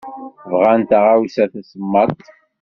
Bɣan taɣawsa d tasemmaḍt.